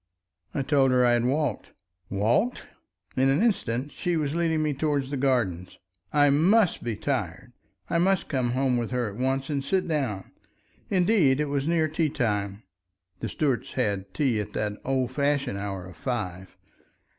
I told her I had walked. "Walked!" In an instant she was leading me towards the gardens. I must be tired. I must come home with her at once and sit down. Indeed it was near tea time (the Stuarts had tea at the old fashioned hour of five).